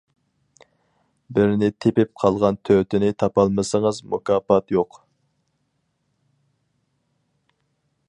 بىرنى تېپىپ قالغان تۆتىنى تاپالمىسىڭىز مۇكاپات يوق.